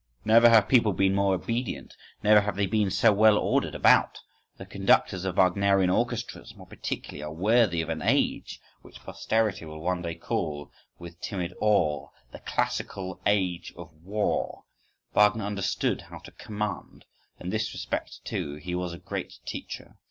—Never have people been more obedient, never have they been so well ordered about. The conductors of Wagnerian orchestras, more particularly, are worthy of an age, which posterity will one day call, with timid awe, the classical age of war. Wagner understood how to command; in this respect, too, he was a great teacher.